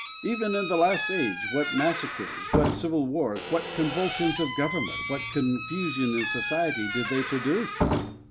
Even in the last age what massacres, what civil wars, what convulsions of government, what confusion in society, did they produce!